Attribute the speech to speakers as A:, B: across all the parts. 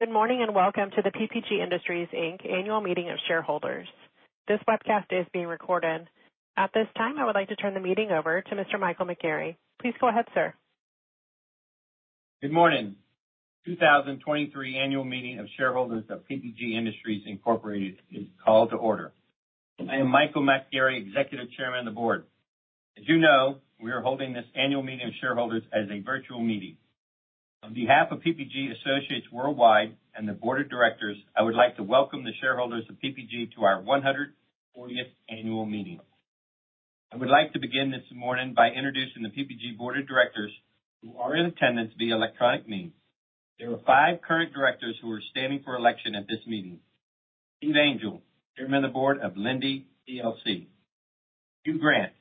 A: Good morning, and welcome to the PPG Industries, Inc. Annual Meeting of Shareholders. This webcast is being recorded. At this time, I would like to turn the meeting over to Mr. Michael McGarry. Please go ahead, sir.
B: Good morning. 2023 Annual Meeting of Shareholders of PPG Industries Incorporated is called to order. I am Michael McGarry, Executive Chairman of the Board. As you know, we are holding this annual meeting of shareholders as a virtual meeting. On behalf of PPG Associates Worldwide and the Board of Directors, I would like to welcome the shareholders of PPG to our 140th annual meeting. I would like to begin this morning by introducing the PPG Board of Directors who are in attendance via electronic means. There are five current directors who are standing for election at this meeting. Steve Angel, Chairman of the Board of Linde PLC. Hugh Grant,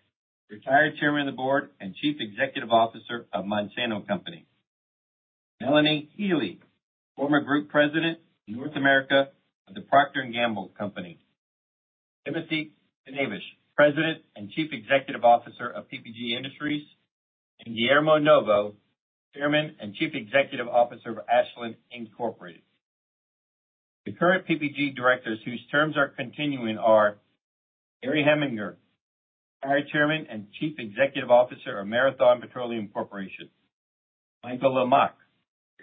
B: Retired Chairman of the Board and Chief Executive Officer of Monsanto Company. Melanie Healey, Former Group President, North America of The Procter & Gamble Company. Timothy Knavish, President and Chief Executive Officer of PPG Industries, and Guillermo Novo, Chairman and Chief Executive Officer of Ashland Incorporated. The current PPG directors whose terms are continuing are Gary Heminger, Retired Chairman and Chief Executive Officer of Marathon Petroleum Corporation. Michael Lamach,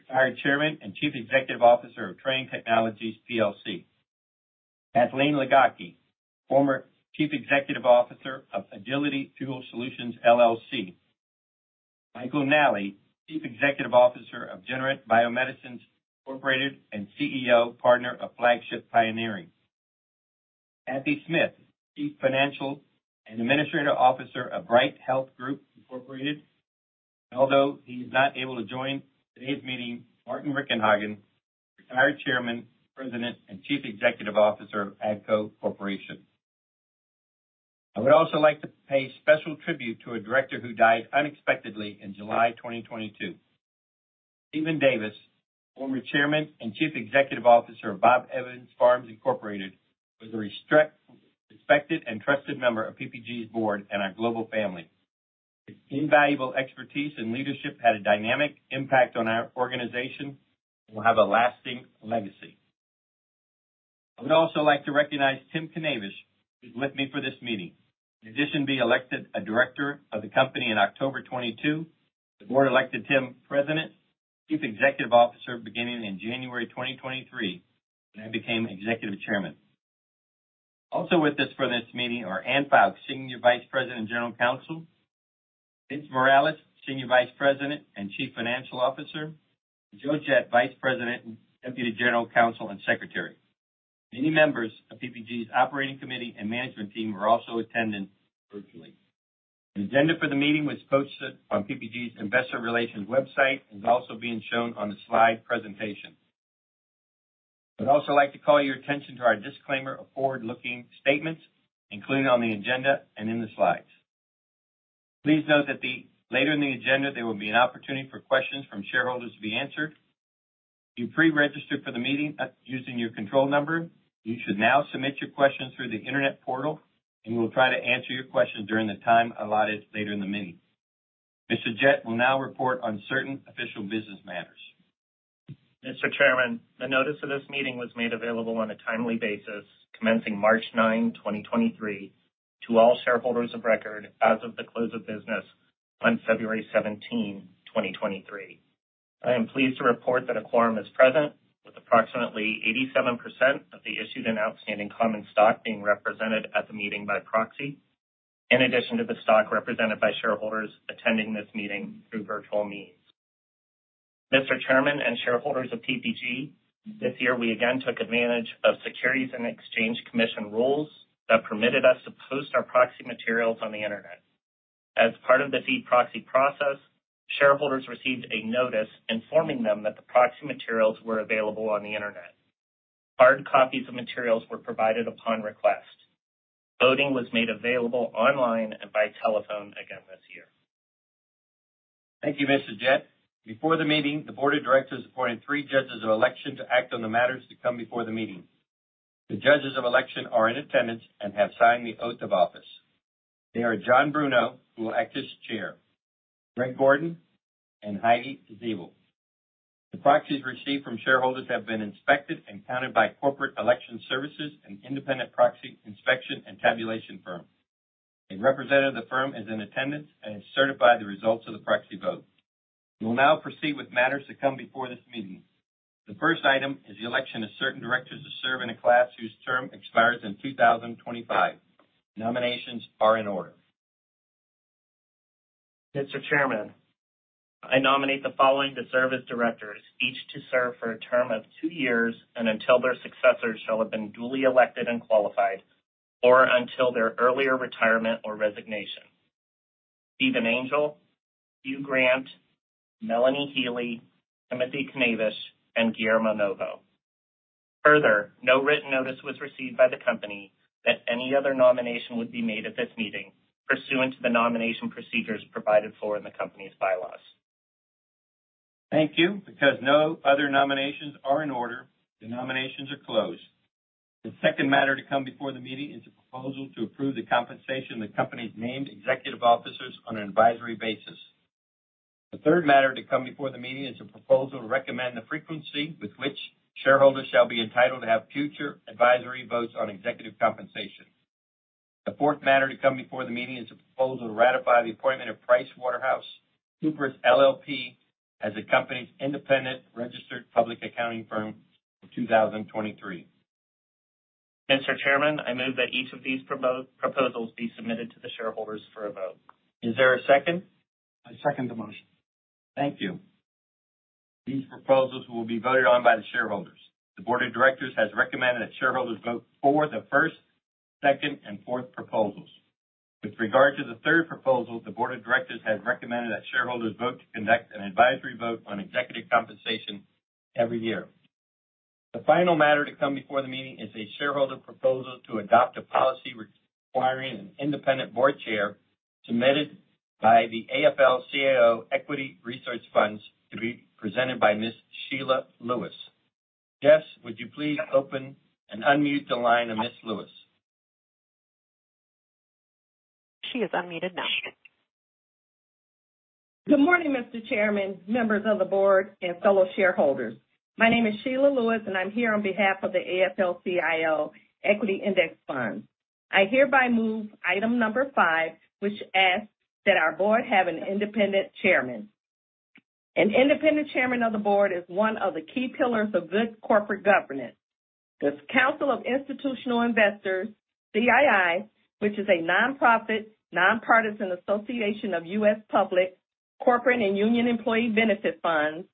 B: Retired Chairman and Chief Executive Officer of Trane Technologies PLC. Kathleen Ligocki, Former Chief Executive Officer of Agility Fuel Solutions, LLC. Michael Nally, Chief Executive Officer of Generate Biomedicines Incorporated and CEO Partner of Flagship Pioneering. Kathy Smith, Chief Financial and Administrative Officer of Bright Health Group Incorporated. Although he's not able to join today's meeting, Martin Rickenhagen, Retired Chairman, President, and Chief Executive Officer of AGCO Corporation. I would also like to pay special tribute to a director who died unexpectedly in July 2022. Steven Davis, former Chairman and Chief Executive Officer of Bob Evans Farms Incorporated, was a respected and trusted member of PPG's board and our global family. His invaluable expertise and leadership had a dynamic impact on our organization and will have a lasting legacy. I would also like to recognize Tim Knavish, who's with me for this meeting. In addition to being elected a director of the company in October 2022, the board elected Tim President, Chief Executive Officer beginning in January 2023, when I became Executive Chairman. Also with us for this meeting are Anne Foulkes, Senior Vice President and General Counsel. Vince Morales, Senior Vice President and Chief Financial Officer. Joe Jett, Vice President and Deputy General Counsel and Secretary. Many members of PPG's operating committee and management team are also attending virtually. The agenda for the meeting was posted on PPG's Investor Relations website and is also being shown on the slide presentation. I'd also like to call your attention to our disclaimer of forward-looking statements, including on the agenda and in the slides. Please note that later in the agenda, there will be an opportunity for questions from shareholders to be answered. If you pre-registered for the meeting using your control number, you should now submit your questions through the internet portal, and we'll try to answer your questions during the time allotted later in the meeting. Mr. Jett will now report on certain official business matters.
C: Mr. Chairman, the notice of this meeting was made available on a timely basis, commencing March 9, 2023, to all shareholders of record as of the close of business on February 17th, 2023. I am pleased to report that a quorum is present, with approximately 87% of the issued and outstanding common stock being represented at the meeting by proxy, in addition to the stock represented by shareholders attending this meeting through virtual means. Mr. Chairman and shareholders of PPG, this year we again took advantage of Securities and Exchange Commission rules that permitted us to post our proxy materials on the Internet. As part of the fee proxy process, shareholders received a notice informing them that the proxy materials were available on the Internet. Hard copies of materials were provided upon request. Voting was made available online and by telephone again this year.
B: Thank you, Mr. Jett. Before the meeting, the board of directors appointed three judges of election to act on the matters to come before the meeting. The judges of election are in attendance and have signed the oath of office. They are John Bruno, who will act as Chair, Greg Gordon, and Heidi Zebel. The proxies received from shareholders have been inspected and counted by Corporate Election Services, an independent proxy inspection and tabulation firm. A representative of the firm is in attendance and has certified the results of the proxy vote. We will now proceed with matters to come before this meeting. The first item is the election of certain directors to serve in a class whose term expires in 2025. Nominations are in order.
C: Mr. Chairman, I nominate the following to serve as directors, each to serve for a term of two years and until their successors shall have been duly elected and qualified or until their earlier retirement or resignation. Steven Angel, Hugh Grant, Melanie Healey, Timothy Knavish, and Guillermo Novo. Further, no written notice was received by the company that any other nomination would be made at this meeting pursuant to the nomination procedures provided for in the company's bylaws.
B: Thank you. Because no other nominations are in order, the nominations are closed. The second matter to come before the meeting is a proposal to approve the compensation of the company's named executive officers on an advisory basis. The third matter to come before the meeting is a proposal to recommend the frequency with which shareholders shall be entitled to have future advisory votes on executive compensation. The fourth matter to come before the meeting is a proposal to ratify the appointment of PricewaterhouseCoopers LLP as the company's independent registered public accounting firm for 2023.
C: Mr. Chairman, I move that each of these proposals be submitted to the shareholders for a vote.
B: Is there a second?
D: I second the motion.
B: Thank you. These proposals will be voted on by the shareholders. The board of directors has recommended that shareholders vote for the first, second, and fourth proposals. With regard to the third proposal, the board of directors has recommended that shareholders vote to conduct an advisory vote on executive compensation every year. The final matter to come before the meeting is a shareholder proposal to adopt a policy requiring an independent board chair submitted by the AFL-CIO Equity Index Funds to be presented by Ms. Sheila Lewis. Jess, would you please open and unmute the line of Ms. Lewis?
E: She is unmuted now.
F: Good morning, Mr. Chairman, members of the board, and fellow shareholders. My name is Sheila Lewis, and I'm here on behalf of the AFL-CIO Equity Index Fund. I hereby move item number five, which asks that our board have an independent chairman. An independent chairman of the board is one of the key pillars of good corporate governance. This Council of Institutional Investors, CII, which is a nonprofit, nonpartisan association of U.S. public, corporate, and union employee benefit funds,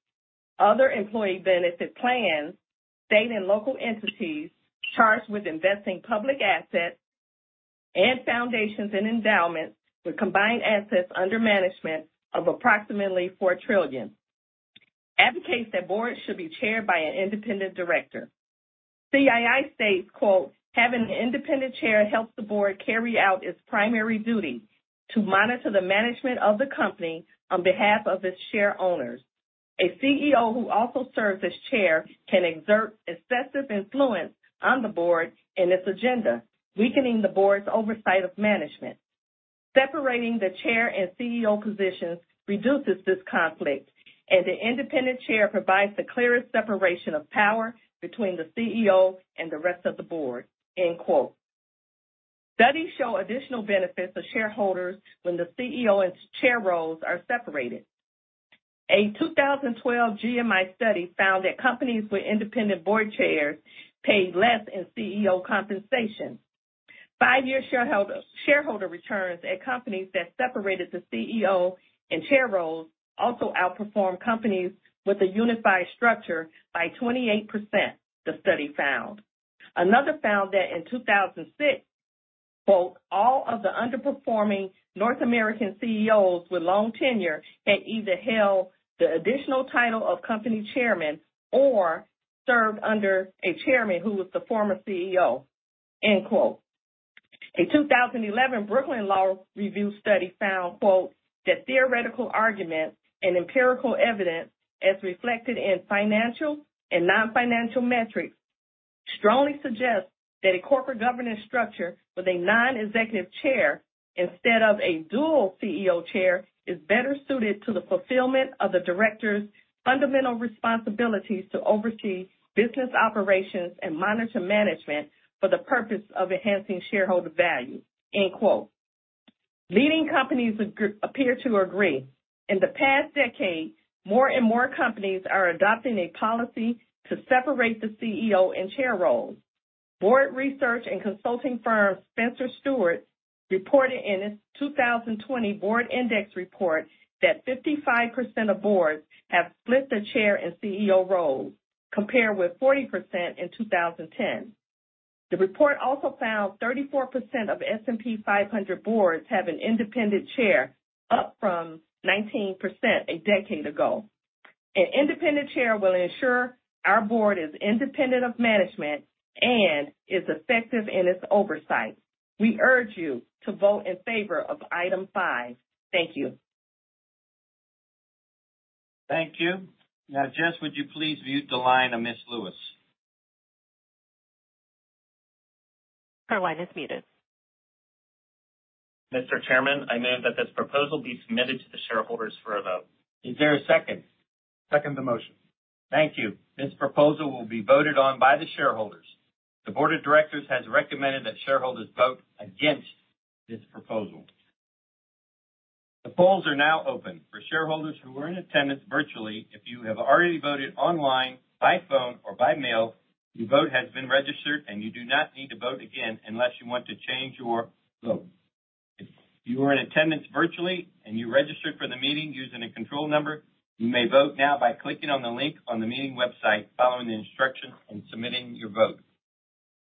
F: other employee benefit plans, state and local entities charged with investing public assets, and foundations and endowments with combined assets under management of approximately $4 trillion, advocates that boards should be chaired by an independent director. CII states, quote, "Having an independent chair helps the board carry out its primary duty to monitor the management of the company on behalf of its share owners. A CEO who also serves as chair can exert excessive influence on the board and its agenda, weakening the board's oversight of management. Separating the chair and CEO positions reduces this conflict, and the independent chair provides the clearest separation of power between the CEO and the rest of the board." End quote. Studies show additional benefits to shareholders when the CEO and chair roles are separated. A 2012 GMI study found that companies with independent board chairs paid less in CEO compensation. Five-year shareholder returns at companies that separated the CEO and chair roles also outperformed companies with a unified structure by 28%, the study found. Another found that in 2006, quote, "All of the underperforming North American CEOs with long tenure had either held the additional title of company Chairman or served under a Chairman who was the former CEO." End quote. A 2011 Brooklyn Law Review study found, quote, "The theoretical argument and empirical evidence, as reflected in financial and non-financial metrics, strongly suggest that a corporate governance structure with a non-executive Chair instead of a dual CEO Chair is better suited to the fulfillment of the directors' fundamental responsibilities to oversee business operations and monitor management for the purpose of enhancing shareholder value." End quote. Leading companies appear to agree. In the past decade, more and more companies are adopting a policy to separate the CEO and Chair roles. Board research and consulting firm Spencer Stuart reported in its 2020 board index report that 55% of boards have split the chair and CEO roles, compared with 40% in 2010. The report also found 34% of S&P 500 boards have an independent chair, up from 19% a decade ago. An independent chair will ensure our board is independent of management and is effective in its oversight. We urge you to vote in favor of item five. Thank you.
B: Thank you. Jess, would you please mute the line of Ms. Lewis?
E: Her line is muted.
C: Mr. Chairman, I move that this proposal be submitted to the shareholders for a vote.
B: Is there a second?
D: Second the motion.
B: Thank you. This proposal will be voted on by the shareholders. The board of directors has recommended that shareholders vote against this proposal. The polls are now open. For shareholders who are in attendance virtually, if you have already voted online, by phone, or by mail, your vote has been registered, and you do not need to vote again unless you want to change your vote. If you are in attendance virtually, and you registered for the meeting using a control number, you may vote now by clicking on the link on the meeting website, following the instructions and submitting your vote.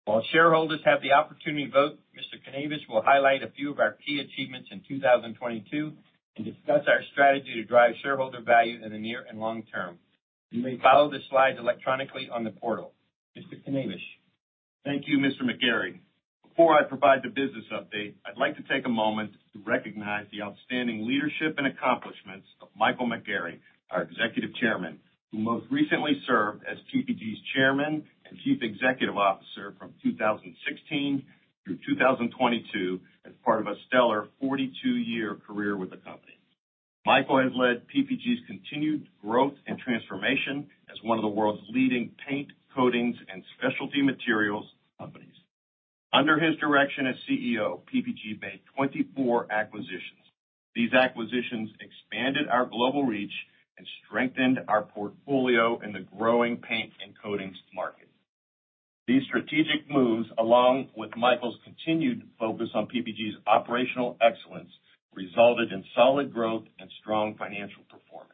B: While shareholders have the opportunity to vote, Mr. Knavish will highlight a few of our key achievements in 2022 and discuss our strategy to drive shareholder value in the near and long term. You may follow the slides electronically on the portal. Mr. Knavish.
G: Thank you, Mr. McGarry. Before I provide the business update, I'd like to take a moment to recognize the outstanding leadership and accomplishments of Michael McGarry, our Executive Chairman, who most recently served as PPG's Chairman and Chief Executive Officer from 2016 through 2022 as part of a stellar 42-year career with the company. Michael has led PPG's continued growth and transformation as one of the world's leading paint, coatings, and specialty materials companies. Under his direction as CEO, PPG made 24 acquisitions. These acquisitions expanded our global reach and strengthened our portfolio in the growing paint and coatings market. These strategic moves, along with Michael's continued focus on PPG's operational excellence, resulted in solid growth and strong financial performance.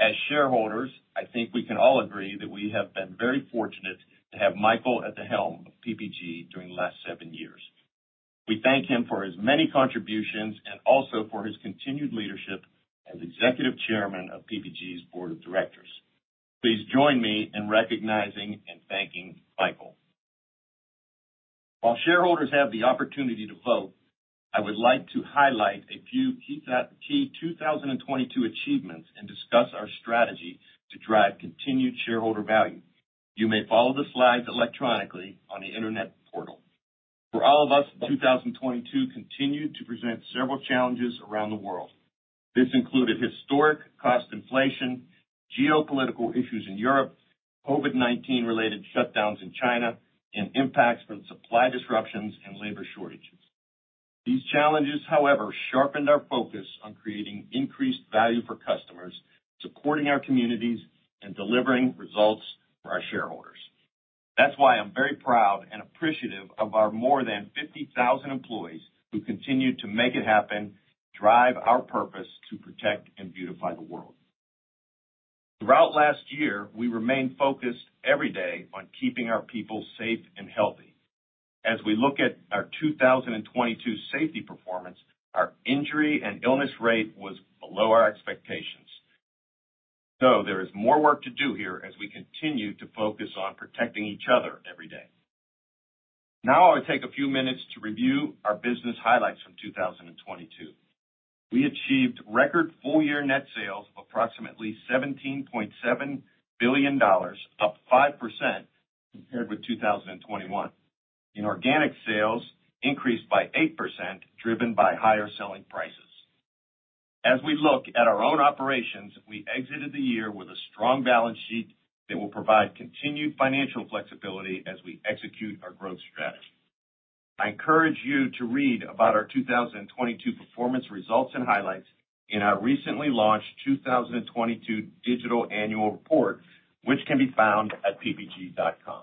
G: As shareholders, I think we can all agree that we have been very fortunate to have Michael at the helm of PPG during the last seven years. We thank him for his many contributions and also for his continued leadership as executive chairman of PPG's board of directors. Please join me in recognizing and thanking Michael. While shareholders have the opportunity to vote, I would like to highlight a few key 2022 achievements and discuss our strategy to drive continued shareholder value. You may follow the slides electronically on the internet portal. For all of us, 2022 continued to present several challenges around the world. This included historic cost inflation, geopolitical issues in Europe, COVID-19 related shutdowns in China, and impacts from supply disruptions and labor shortages. These challenges, however, sharpened our focus on creating increased value for customers, supporting our communities, and delivering results for our shareholders. That's why I'm very proud and appreciative of our more than 50,000 employees who continue to make it happen and drive our purpose to protect and beautify the world. Throughout last year, we remained focused every day on keeping our people safe and healthy. As we look at our 2022 safety performance, our injury and illness rate was below our expectations. There is more work to do here as we continue to focus on protecting each other every day. Now I'll take a few minutes to review our business highlights from 2022. We achieved record full-year net sales of approximately $17.7 billion, up 5% compared with 2021, and organic sales increased by 8% driven by higher selling prices. As we look at our own operations, we exited the year with a strong balance sheet that will provide continued financial flexibility as we execute our growth strategy. I encourage you to read about our 2022 performance results and highlights in our recently launched 2022 digital annual report, which can be found at ppg.com.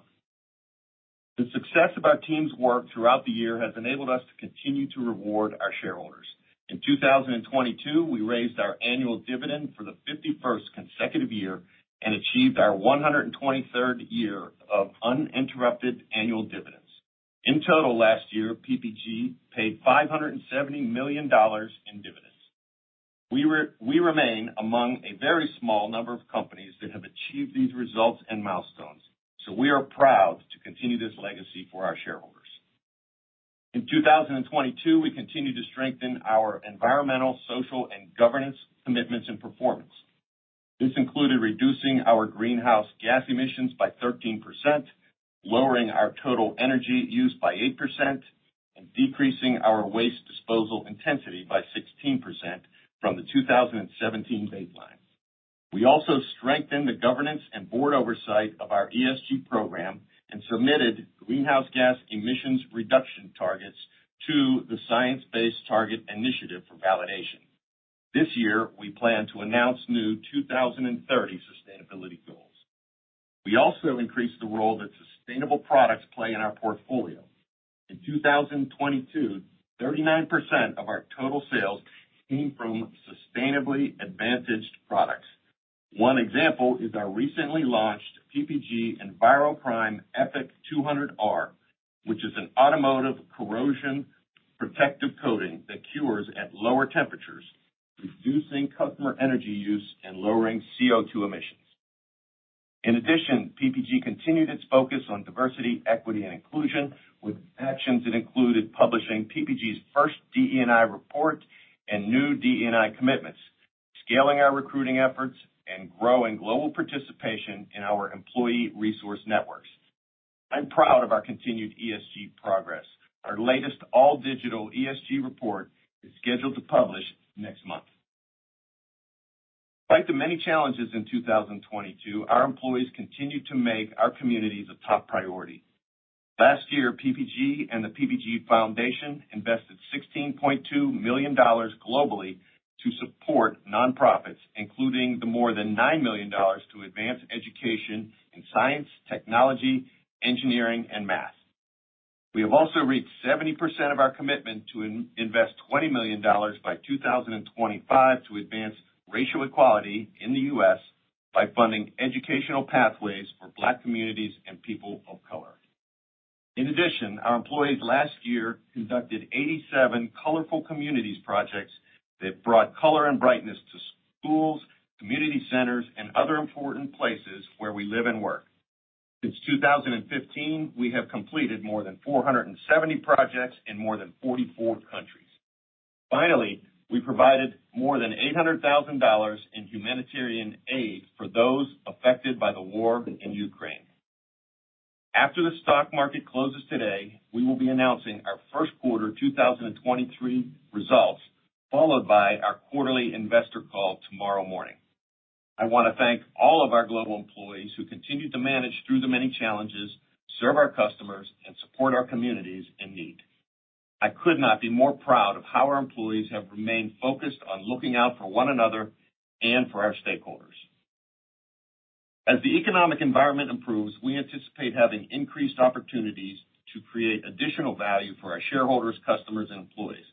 G: The success of our team's work throughout the year has enabled us to continue to reward our shareholders. In 2022, we raised our annual dividend for the 51st consecutive year and achieved our 123rd year of uninterrupted annual dividends. In total last year, PPG paid $570 million in dividends. We remain among a very small number of companies that have achieved these results and milestones. We are proud to continue this legacy for our shareholders. In 2022, we continued to strengthen our environmental, social, and governance commitments and performance. This included reducing our greenhouse gas emissions by 13%, lowering our total energy use by 8%, and decreasing our waste disposal intensity by 16% from the 2017 baseline. We also strengthened the governance and board oversight of our ESG program and submitted greenhouse gas emissions reduction targets to the Science-Based Target initiative for validation. This year, we plan to announce new 2030 sustainability goals. We also increased the role that sustainable products play in our portfolio. In 2022, 39% of our total sales came from sustainably advantaged products. One example is our recently launched PPG ENVIRO-PRIME EPIC 200R, which is an automotive corrosion protective coating that cures at lower temperatures, reducing customer energy use and lowering CO2 emissions. In addition, PPG continued its focus on diversity, equity, and inclusion with actions that included publishing PPG's first DE&I report and new DE&I commitments, scaling our recruiting efforts, and growing global participation in our employee resource networks. I'm proud of our continued ESG progress. Our latest all-digital ESG report is scheduled to publish next month. Despite the many challenges in 2022, our employees continued to make our communities a top priority. Last year, PPG and the PPG Foundation invested $16.2 million globally to support nonprofits, including the more than $9 million to advance education in science, technology, engineering, and math. We have also reached 70% of our commitment to invest $20 million by 2025 to advance racial equality in the U.S. by funding educational pathways for Black communities and people of color. In addition, our employees last year conducted 87 Colorful Communities projects that brought color and brightness to Schools, community centers, other important places where we live and work. Since 2015, we have completed more than projects in more than 44 countries. Finally, we provided more than $800,000 in humanitarian aid for those affected by the war in Ukraine. After the stock market closes today, we will be announcing our first quarter 2023 results, followed by our quarterly investor call tomorrow morning. I wanna thank all of our global employees who continue to manage through the many challenges, serve our customers, and support our communities in need. I could not be more proud of how our employees have remained focused on looking out for one another and for our stakeholders. As the economic environment improves, we anticipate having increased opportunities to create additional value for our shareholders, customers, and employees.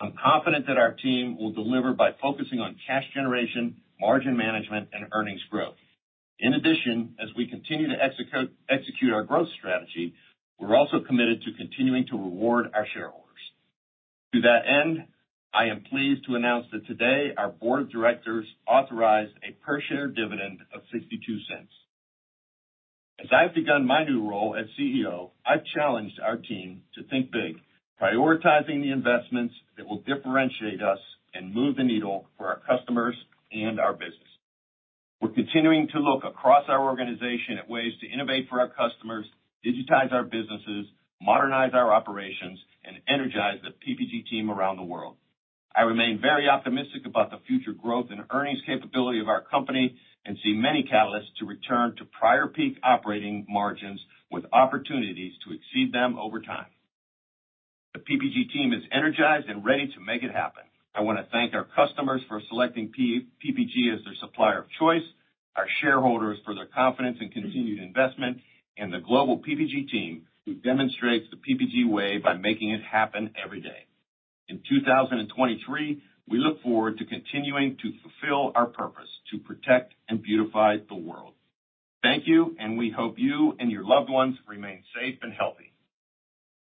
G: I'm confident that our team will deliver by focusing on cash generation, margin management, and earnings growth. As we continue to execute our growth strategy, we're also committed to continuing to reward our shareholders. To that end, I am pleased to announce that today our board of directors authorized a per share dividend of $0.62. As I've begun my new role as CEO, I've challenged our team to think big, prioritizing the investments that will differentiate us and move the needle for our customers and our business. We're continuing to look across our organization at ways to innovate for our customers, digitize our businesses, modernize our operations, and energize the PPG team around the world. I remain very optimistic about the future growth and earnings capability of our company and see many catalysts to return to prior peak operating margins with opportunities to exceed them over time. The PPG team is energized and ready to make it happen. I wanna thank our customers for selecting PPG as their supplier of choice, our shareholders for their confidence and continued investment, and the global PPG team who demonstrates the PPG way by making it happen every day. In 2023, we look forward to continuing to fulfill our purpose: to protect and beautify the world. Thank you. We hope you and your loved ones remain safe and healthy.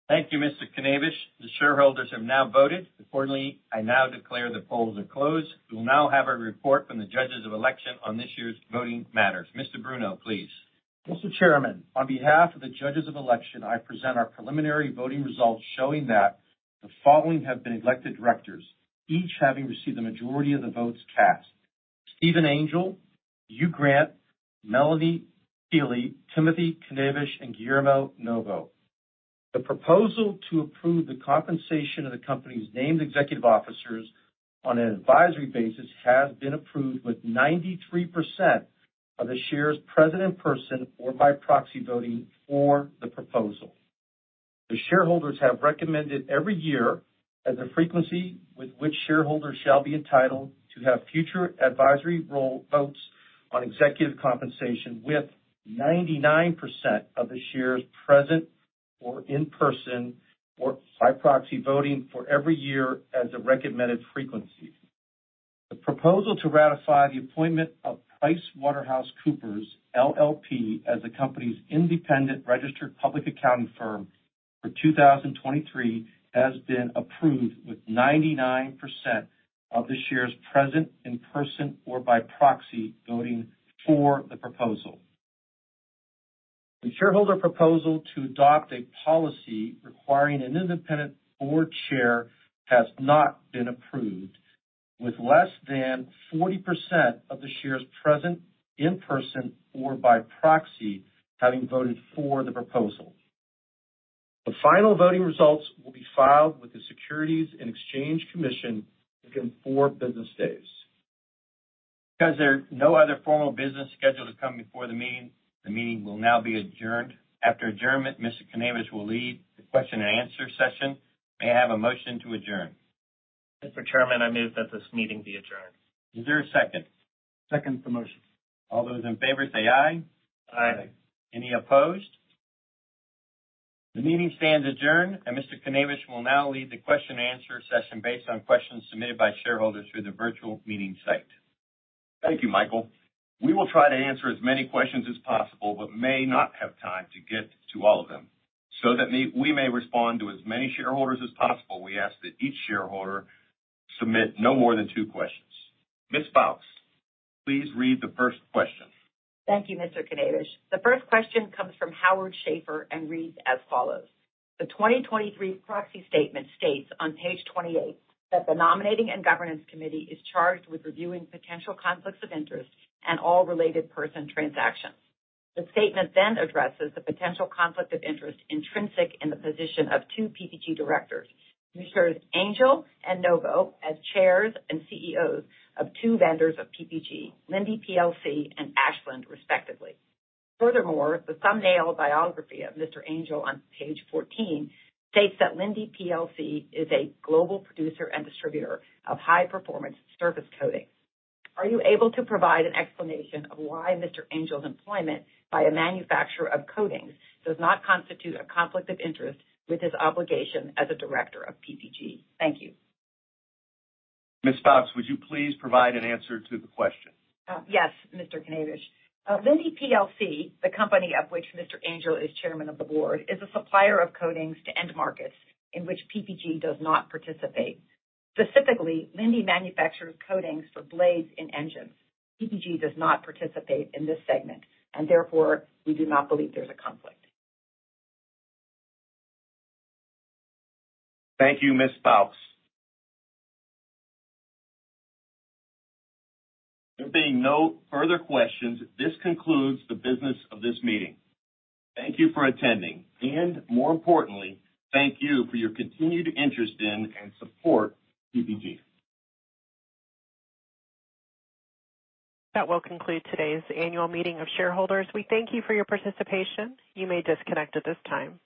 B: Thank you, Mr. Kanevis. The shareholders have now voted. Accordingly, I now declare the polls are closed. We will now have a report from the judges of election on this year's voting matters. Mr. Bruno, please.
D: Mr. Chairman, on behalf of the judges of election, I present our preliminary voting results showing that the following have been elected directors, each having received the majority of the votes cast. Steven Angel, Hugh Grant, Melanie Healy, Timothy Knavish, and Guillermo Novo. The proposal to approve the compensation of the company's named executive officers on an advisory basis has been approved with 93% of the shares present in person or by proxy voting for the proposal. The shareholders have recommended every year as the frequency with which shareholders shall be entitled to have future advisory role votes on executive compensation with 99% of the shares present or in person or by proxy voting for every year as a recommended frequency. The proposal to ratify the appointment of PricewaterhouseCoopers LLP as the company's independent registered public accounting firm for 2023 has been approved with 99% of the shares present in person or by proxy voting for the proposal. The shareholder proposal to adopt a policy requiring an independent board chair has not been approved, with less than 40% of the shares present in person or by proxy having voted for the proposal. The final voting results will be filed with the Securities and Exchange Commission within four business days.
B: There's no other formal business scheduled to come before the meeting, the meeting will now be adjourned. After adjournment, Mr. Knavish will lead the question-and-answer session. May I have a motion to adjourn?
C: Mr. Chairman, I move that this meeting be adjourned.
B: Is there a second?
D: Second the motion.
B: All those in favor say aye.
G: Aye.
B: Any opposed? The meeting stands adjourned. Mr. Knavish will now lead the question-and-answer session based on questions submitted by shareholders through the virtual meeting site.
G: Thank you, Michael. We will try to answer as many questions as possible but may not have time to get to all of them. That we may respond to as many shareholders as possible, we ask that each shareholder submit no more than two questions. Mrs. Foulkes, please read the first question.
H: Thank you, Mr. Knavish. The first question comes from Howard Schaefer and reads as follows: The 2023 proxy statement states on page 28 that the Nominating and Governance Committee is charged with reviewing potential conflicts of interest and all related person transactions. The statement then addresses the potential conflict of interest intrinsic in the position of two PPG directors, Mr. Angel and Novo, as chairs and CEOs of two vendors of PPG, Linde plc and Ashland, respectively. Furthermore, the thumbnail biography of Mr. Angel on page 14 states that Linde plc is a global producer and distributor of high-performance surface coatings. Are you able to provide an explanation of why Mr. Angel's employment by a manufacturer of coatings does not constitute a conflict of interest with his obligation as a director of PPG? Thank you.
G: Mrs. Foulkes, would you please provide an answer to the question?
H: Yes, Mr. Knavish. Linde plc, the company of which Mr. Angel is chairman of the board, is a supplier of coatings to end markets in which PPG does not participate. Specifically, Linde manufactures coatings for blades in engines. PPG does not participate in this segment, and therefore, we do not believe there's a conflict.
G: Thank you, Mrs. Foulkes. There being no further questions, this concludes the business of this meeting. Thank you for attending, and more importantly, thank you for your continued interest in and support PPG.
A: That will conclude today's annual meeting of shareholders. We thank you for your participation. You may disconnect at this time.